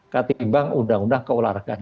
ketimbang undang undang keolahragaan